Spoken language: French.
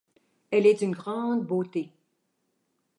Elle est d'une grande beauté.